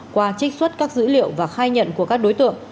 qua trích xuất các dữ liệu và khai nhận của các đối tượng